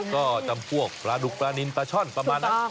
ก็จำพวกปลาดุกปลานินปลาช่อนประมาณนั้น